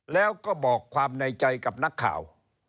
แล้วก็บอกความในใจกับนักข่าว